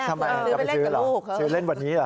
ขอรุยไปเล่นกับลูก